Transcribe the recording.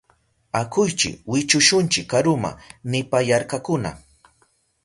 Akuychi wichushunchi karuma, nipayarkakuna.